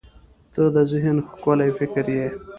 • ته د ذهن ښکلي فکر یې.